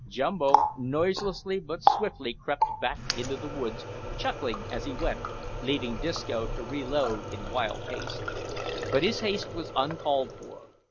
Jumbo noiselessly but swiftly crept back into the woods, chuckling as he went, leaving Disco to reload in wild haste. But his haste was uncalled for.